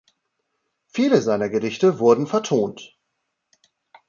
Viele seiner Gedichte wurden vertont.